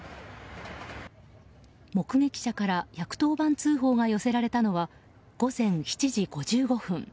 目撃者から１１０番通報が寄せられたのは午前７時５５分。